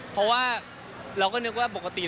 เพราะว่าเราก็นึกว่าปกติ